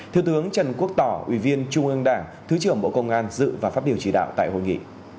thiếu tướng trần quốc tỏ ủy viên trung ương đảng thứ trưởng bộ công an dự và phát biểu chỉ đạo tại hội nghị